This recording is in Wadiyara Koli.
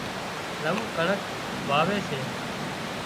زم ڪڻڪ واوي سي